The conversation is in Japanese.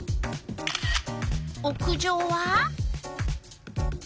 屋上は？